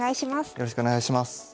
よろしくお願いします。